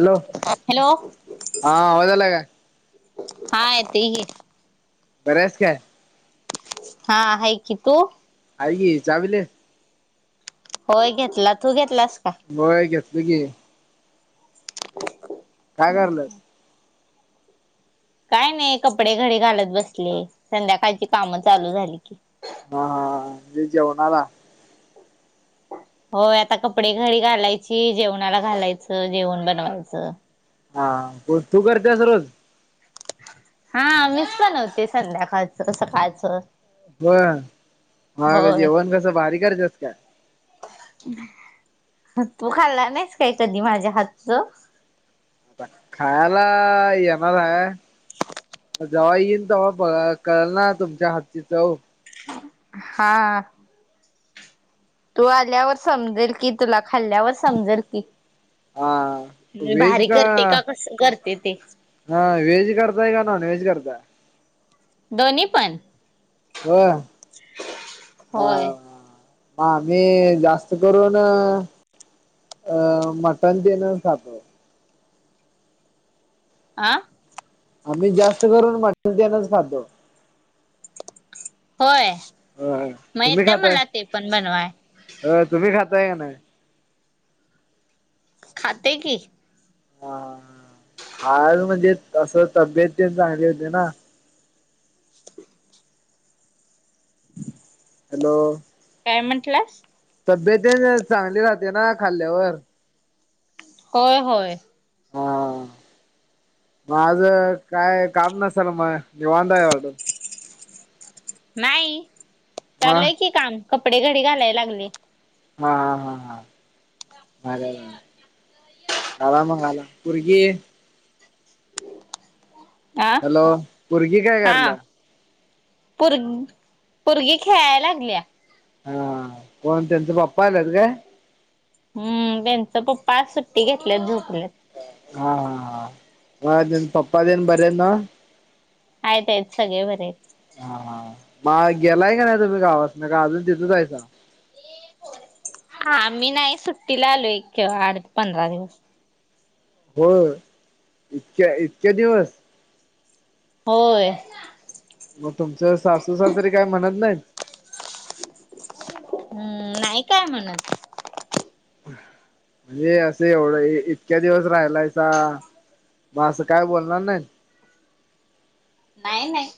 Hello hello हा आवाज आला काय हा येतय कि. बरी आहेस काय. हा आहे की तू? आईये चाविले [unintelligible] होय घेतला तू घेतलास काय? होय.. घेतलो की, काय कराल्यास? काय नाही कपडे घडी घालत बसले संध्याकाळची कामं चालू झाली की. हा हा मी जेवणाला होय आता कपडे घरी घालायची जेवणाला घालायचं जेवण बनवायचं हा कोण तू करतेस रोज? हा मीच बनवते संध्याकाळचं सकाळचं. होय मग होय जेवण कसं भारी करत्यात काय? तू खाल्ला नाहीस, काय कधी माझ्या हातच. खायला येणार हाय. जेव्हा येईन तेव्हा बघ कळेल ना तुमच्या हातची चव. हां... तू आल्यावर समजेल की तुला खाल्ल्यावर. समजल की, हा मी भारी करते का कसं करते ते. हा व्हेज करताय का नॉनव्हेज करताय? दोन्ही पण, होय हां.. होय मग आम्ही जास्त करून अ मटण तेनच खातो. आं? आम्ही जास्त करून मटन तेनच खातो. होय होय मग तुम्ही येतेय खाताय मला ते पण बनवाय. होय. तुम्ही खाताय काय नाही. खाते की, हा आल म्हणजे तस तब्येत तेन चांगली होते ना. [unintelligible] हॅलो! काय म्हणलास? तब्येत तेन चांगली राहते, ना खाल्ल्यावर. होय होय. माझ काय काम नसेल मग निवांत आज आहे. नाही मग चालय की काम, कपडे घडी घालायला लागले. हा हा हा हा बर. आला मग आला पोरगी. [inaudible] हॅलो पोरगी काय कराल्या? पोरं पोरगी खेळायला लागल्या. हा कोण त्यांचा पप्पा आलात काय. हम्म त्यांच पप्पा सुट्टी घेतल्यात झोपल्यात. हा हा हा पप्पा देन बरे ना. आहेत आहेत सगळे बरे आहेत. हा हा.. मग गेलाय का नाही तुम्ही, गावासन काय अजूनच तिथंच हायसा. हा आम्ही नाही सुट्टीला आलोय, एक आठ पंधरा दिवस. होय इतक्या इतक्या दिवस. होय. मग तुमचं सासू सासरे काय म्हणत नाहीत. हम्म नाही काय म्हणत. म्हणजे असं एवढं इतक्या दिवस राहिलायचा. मग असं काय बोलणार नाही. नाही नाही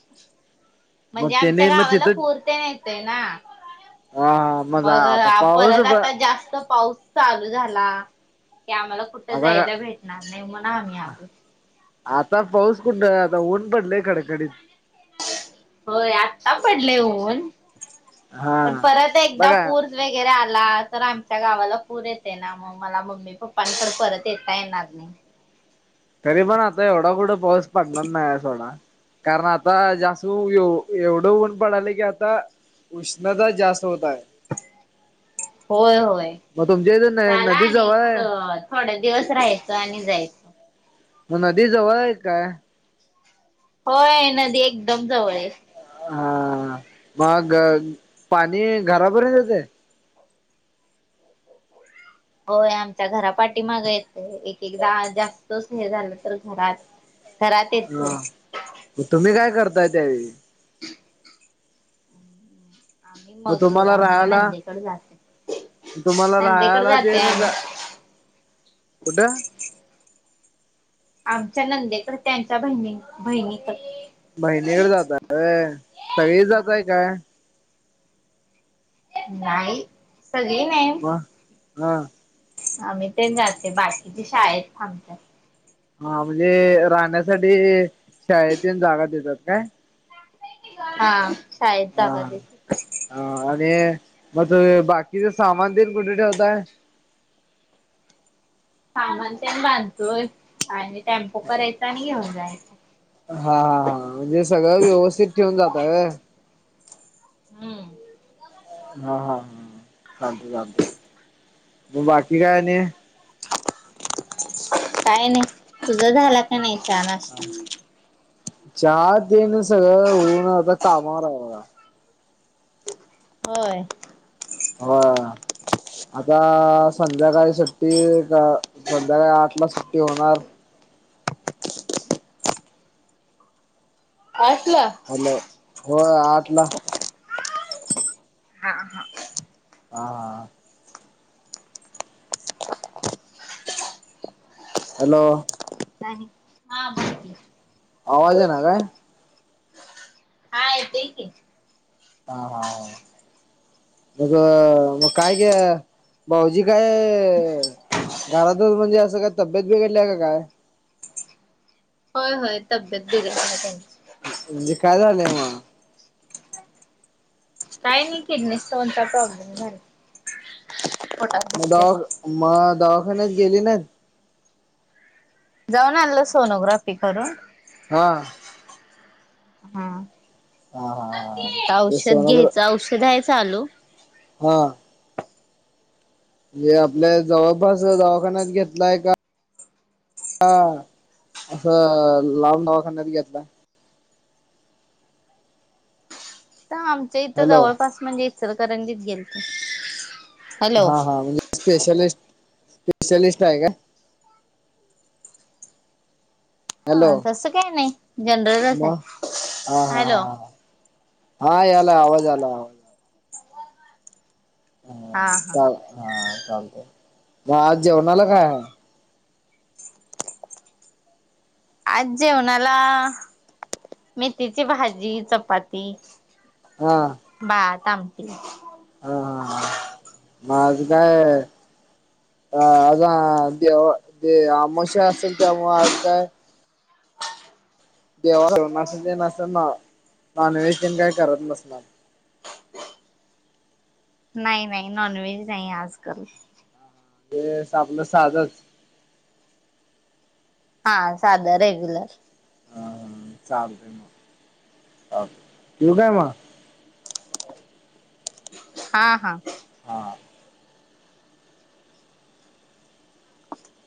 मग म्हणजे आमच्या त्याने मग गावाला तिथं पूर तेन येतय ना. हा हा मग आता पाऊस परत ब आता जास्त पाऊस. चालू झाला ते आम्हाला कुठं आता जायला भेटणार नाही म्हण आम्ही आलो. आता पाऊस कुठं, आता ऊन पडलय कडकडीत. होय आत्ता पडले ऊन हा पण परत एकदा बघा पूर. वगरे आला तर आमच्या गावाला पूर येते ना मंग. मला मम्मी पप्पांकडे परत येता येणार नाही. तरी पण आता येवढा, कुठं पाऊस पडणार नाही सोडा. कारण आता जास् एवढं ऊन पडले की आता. उष्णता जास्त होतय. होय होय मग तुमच्या इथे ला नदी न जवळ एक आहे तर. थोड दिवस राहायचं आणि जायच. मगं नदी जवळ आहे काय. होय. नदी एकदम जवळ ये. हां.. मग पाणी घरापर्यंत येतंय. होय आमच्या घरा पाठी मागे येत एक एकदा जास्तच हे झालं तर घरात. घरात येत हा. नाही. तुम्ही काय करताय त्यावेळी. ह. [inaudible] मग तुम्हाला आमच्या राहायला नंदेकडे जाते म तुम्हाला नंदेकडे राहायला जाते देन जा. आम्ही कुठ. आमच्या नंदे तर त्यांच्या बहिणी बहिणी तर. बहिणीकडे जाताय वोय सगळीच जातय काय. नाही सगळी नाही. मंग हा. आम्ही ते जाते बाकीची शाळेत थांबतात. हां म्हणजे राहण्यासाठी शाळेत तेन जागा देत्यात काय. हा शाळेत जागा देतात. अं... आणि मगं, तुमी बाकीच सामान तेन कुठे ठेवताय. सामान तेन बांधतोय आणि, टेम्पो करायच‌ आणि घेऊन जायच. हा हा हा म्हणजे सगळं व्यवस्थित ठेऊून जातय. हम्म हम्म. हा हा हा. चालतंय चालतंय मग बाकी काय आणि. काय नाही, तुझा झाला का नाही चहा नाष्टा. चा तेन सगळं होऊन, आता कामावर आहे बघा. होय. होय.. आता संध्याकाळी सुट्टी, का संध्याकाळी आठ ला सुट्टी होणार. आठला. हॅलो, होय आठला. हां हां.. हा हा.. हॅलो. नाही. हा बरं की. आवाज येईना काय. हा येतोय की. हा हा.. मग मग काय गं, भाऊजी काय. घरातच म्हणजे असं, काय तब्येत बिघडली आहे काय. होय होय, तब्येत बरी नाय त्यांची. म्हणजे काय झालं मग. काय नाही, किडनी स्टोन चा प्रॉब्लेम झालाय. मग दवाख मग दवाखान्यात गेली नाहीत. जाऊन आणलं सोनोग्राफी करून. हां.. हम्म. हा हा.. म्हणजे औषध सोनगर घ्यायचं, औषध आहे चालू. हां.. हे आपलं जवळपास दवाखान्यात घेतलाय कां. हां.. असं लांब दवाखान्यात घेतला. आमच्या इथं हॅलो जवळपास म्हणजे, इचलकरंजीत गेलतो. हा हा म्हणजे स्पेशालिस्ट, स्पेशालिस्ट आहे काय. हॅलो अं. तसं काही नाही, जनरलच आहे. मग हॅलो, हां.. यालाय आवाज, यालाय आवाज. हां हां हा हा. चालत हां चालतंय, मग आज जेवणाला काय आहे. आज जेवणाला, मेथीची भाजी चपाती. हां.. भात आमटी. हा हा.. मग आज काय. अ आज देव अमोशा, असेल त्यामुळं आज काय. देवाच तेन असं नॉनव्हेज, तेन काय करत नसणार. नाही नाही, नॉन व्हेज नाही आज करत. हे आपलं साधच. हा साधं रेग्युलर. हा चालतंय मग, ठेऊ का मग. हा हा. हा.